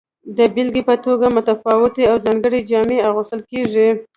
د بیلګې په توګه متفاوتې او ځانګړې جامې اغوستل کیږي.